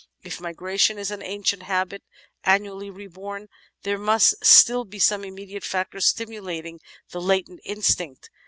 If migration is an ancient habit, annually reborn, there must still be some immediate factor stimu lating the latent instinct.